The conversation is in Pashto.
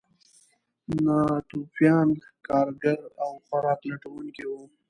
ناتوفیان ښکارګر او خوراک لټونکي وو.